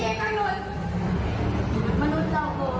เจ้าหน้าที่อยู่ตรงนี้กำลังจะปัด